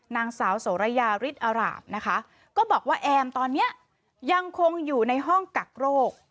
นางสาวโสระยาฤทธิอาราบนะคะก็บอกว่าแอมตอนนี้ยังคงอยู่ในห้องกักโรค